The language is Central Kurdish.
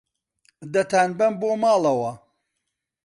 دەتانبەم بۆ ماڵەوە.